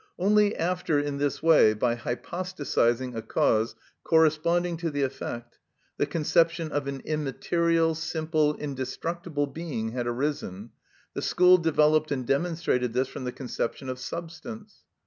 Only after in this way, by hypostatising a cause corresponding to the effect, the conception of an immaterial, simple, indestructible being had arisen, the school developed and demonstrated this from the conception of substance.